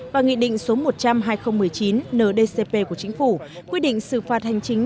và nghị định số một trăm linh hai nghìn một mươi chín ndcp của chính phủ quy định xử phạt hành chính